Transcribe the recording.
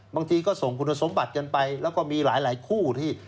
บางทีก็ส่งคุณสมบัติกันไปแล้วก็มีหลายคู่ที่